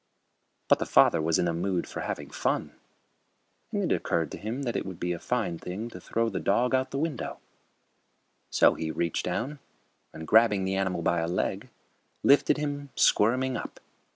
But the father was in a mood for having fun, and it occurred to him that it would be a fine thing to throw the dog out of the window. So he reached down and, grabbing the animal by a leg, lifted him, squirming, up.